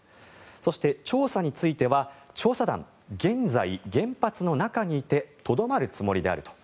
そして、調査については調査団、現在、原発の中にいてとどまるつもりであると。